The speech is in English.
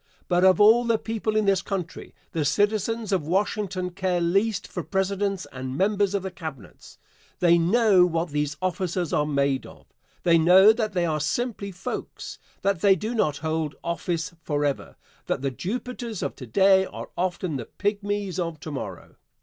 But of all the people in this country the citizens of Washington care least for Presidents and members of the Cabinets. They know what these officers are made of. They know that they are simply folks that they do not hold office forever that the Jupiters of to day are often the pygmies of to morrow.